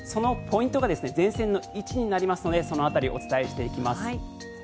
そのポイントが前線の位置になりますのでその辺りお伝えしていきます。